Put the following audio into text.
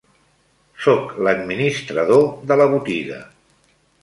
Soc l'administrador de la botiga.